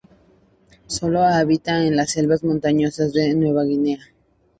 Solo habita en las selvas montañosas de Nueva Guinea.